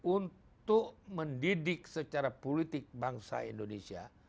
untuk mendidik secara politik bangsa indonesia